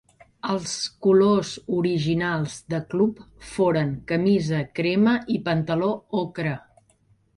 Els colors originals de club foren camisa crema i pantaló ocre.